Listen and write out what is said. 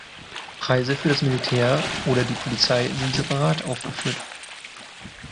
Preise für das Militär oder die Polizei sind separat aufgeführt.